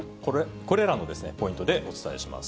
これらのポイントでお伝えします。